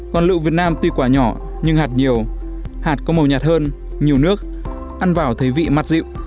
còn lựu việt nam tuy quả nhỏ nhưng hạt nhiều hạt có màu nhạt hơn nhiều nước ăn vào thấy vị mặt dịu